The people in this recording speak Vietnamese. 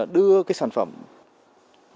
đưa cái sản phẩm được doanh nghiệp đặt hàng